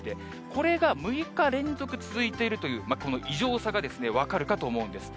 これが６日連続続いているという、この異常さが分かるかと思うんです。